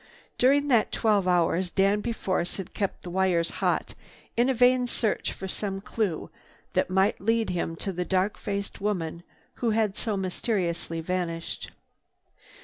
During that twelve hours Danby Force had kept the wires hot in a vain search for some clue that might lead him to the dark faced woman who had so mysteriously vanished.